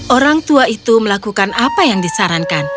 orang tua itu melakukan apa yang disarankan